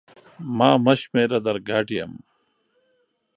ما مه شمېره در ګډ یم!